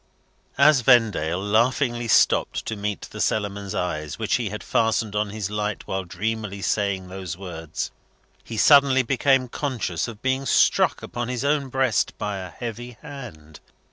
As Vendale laughingly stopped to meet the Cellarman's eyes, which he had fastened on his light while dreamily saying those words, he suddenly became conscious of being struck upon his own breast by a heavy hand.